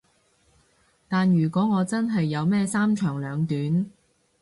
但如果我真係有咩三長兩短